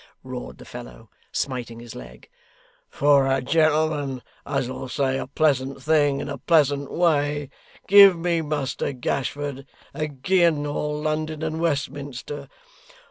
roared the fellow, smiting his leg; 'for a gentleman as 'ull say a pleasant thing in a pleasant way, give me Muster Gashford agin' all London and Westminster!